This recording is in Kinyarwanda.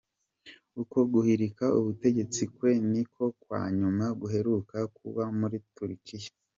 Uko guhirika ubutegetsi kwe niko kwa nyuma guheruka kuba muri Turukiya.